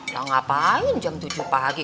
nah ngapain jam tujuh pagi